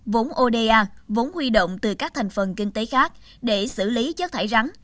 vốn oda vốn huy động từ các thành phần kinh tế khác để xử lý chất thải rắn